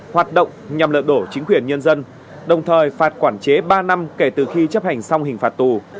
hoạt động nhằm lợi đổ chính quyền nhân dân đồng thời phạt quản chế ba năm kể từ khi chấp hành xong hình phạt tù